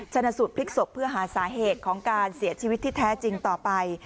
ชนะสูตรพลิกศพเพื่อหาสาเหตุของการเสียชีวิตที่แท้จริงต่อไป